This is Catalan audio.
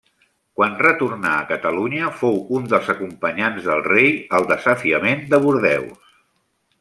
Quan retornà a Catalunya fou un dels acompanyants del rei al desafiament de Bordeus.